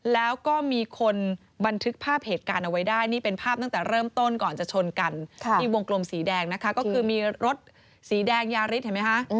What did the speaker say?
แล้วก็มีคนบันทึกภาพเหตุการณ์เอาไว้ได้นี่เป็นภาพตั้งแต่เริ่มต้นก่อนจะชนกันที่วงกลมสีแดงนะคะก็คือมีรถสีแดงยาริสเห็นไหมคะ